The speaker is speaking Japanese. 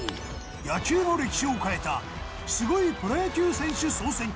野球の歴史を変えたすごいプロ野球選手総選挙